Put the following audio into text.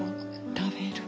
食べる。